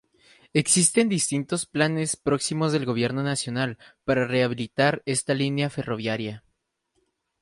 Existen distintos planes próximos del Gobierno Nacional para rehabilitar esta línea ferroviaria.